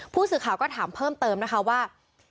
ผู้สื่อข่าวก็ถามเพิ่มเติมนะคะว่า